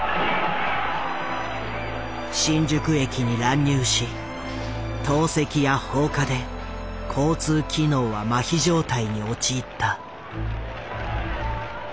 新宿駅に乱入し投石や放火で交通機能はマヒ状態に陥った。